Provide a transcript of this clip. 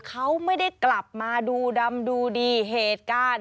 เขาไม่ได้กลับมาดูดำดูดีเหตุการณ์